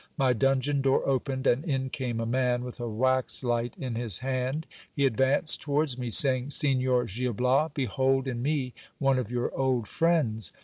My dungeon door opened, and in came a man with a wax light in his hand. He advanced towards me, saying — Signor Gil Bias, behold in me one of your old friends.